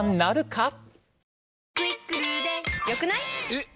えっ！